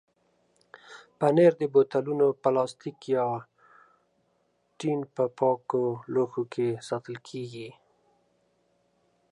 پنېر د بوتلونو، پلاستیک یا ټین په پاکو لوښو کې ساتل کېږي.